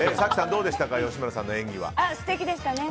どうでしたか吉村さんの演技は？